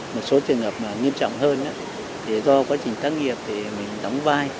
một số trường hợp nghiêm trọng hơn thì do quá trình tác nghiệp thì mình đóng vai